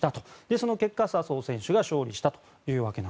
その結果笹生選手が勝利したという。